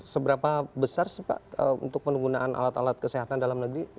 seberapa besar sih pak untuk penggunaan alat alat kesehatan dalam negeri